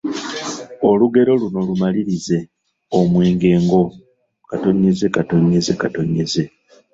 Olugero luno lumalirize: Omwenge ngo, ….